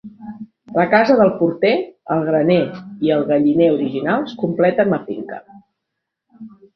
La casa del porter, el graner i el galliner originals completen la finca.